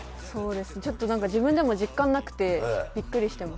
ちょっと自分でも実感なくてビックリしています。